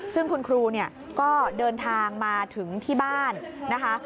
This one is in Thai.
ซึ่งคุณครูเนี่ยก็เดินทางมาถึงที่บ้านนะคะ